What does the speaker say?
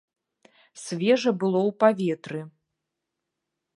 Свежа было ў паветры.